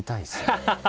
ハハハ！